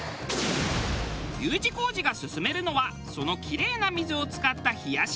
Ｕ字工事が薦めるのはそのキレイな水を使った冷やしグルメ。